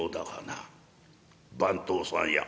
番頭さんや」。